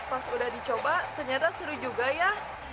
pas udah dicoba ternyata seru juga ya